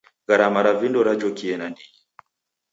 Gharama ra vindo rajokie nandighi.